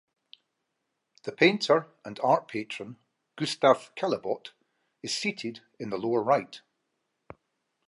The painter and art patron, Gustave Caillebotte, is seated in the lower right.